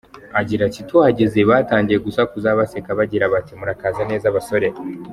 Agira ati “Tuhageze batangiye gusakuza baseka bagira bati ‘murakaza neza basore’.